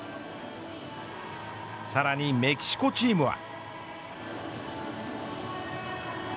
さらにメキシコチームは。